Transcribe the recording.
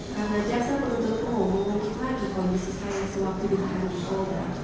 karena jasa perutukmu memungkinkan lagi kondisi saya sewaktu ditahan di kondra